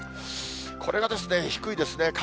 これが低いですね。